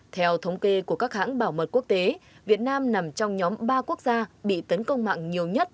theo thống kê của các hãng bảo mật quốc tế việt nam nằm trong nhóm ba quốc gia bị tấn công mạng nhiều nhất